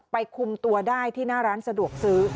คุมตัวได้ที่หน้าร้านสะดวกซื้อ